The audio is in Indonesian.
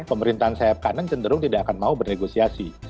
pemerintahan sayap kanan cenderung tidak akan mau bernegosiasi